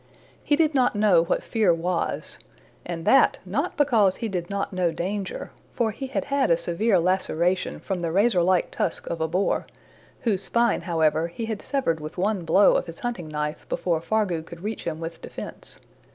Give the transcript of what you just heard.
He did not know what fear was, and that not because he did not know danger; for he had had a severe laceration from the razor like tusk of a boar whose spine, however, he had severed with one blow of his hunting knife, before Fargu could reach him with defense.